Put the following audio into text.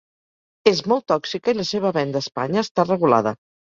És molt tòxica i la seva venda a Espanya està regulada.